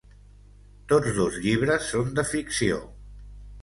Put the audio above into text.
Tots dos llibres són de ficció.